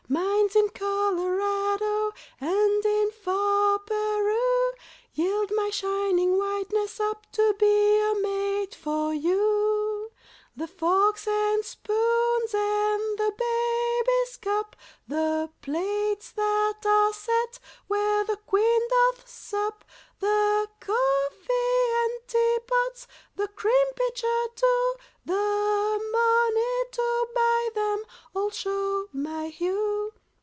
Mines in Colorado, And in far Peru, Yield my shining whiteness up To be a mate for you. The forks and spoons, And the baby's cup, The plates that are set Where the Queen doth sup, The coffee and teapots, The cream pitcher, too, The money to buy them, All show my hue.